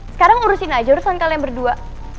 sekarang urusin aja urusan kalian berdua